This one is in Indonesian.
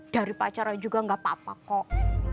dari pacarnya juga gak apa apa kok